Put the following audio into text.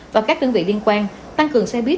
và các đơn vị liên quan tăng cường xe buýt